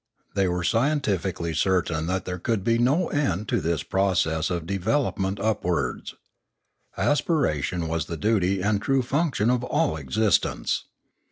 They were scientifically certain that there could be no end to this process of development upwards. Aspiration was the duty and true function of all existence.